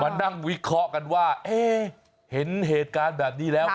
นั่งวิเคราะห์กันว่าเอ๊ะเห็นเหตุการณ์แบบนี้แล้ว